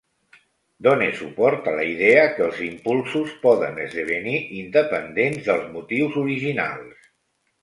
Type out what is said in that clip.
Done suport a la idea que els impulsos poden esdevenir independents dels motius originals.